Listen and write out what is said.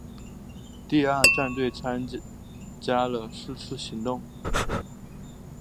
第二战队参加了是次行动。